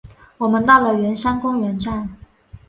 我们到了圆山公园站